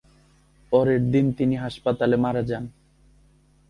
পরের দিন তিনি হাসপাতালে মারা যান।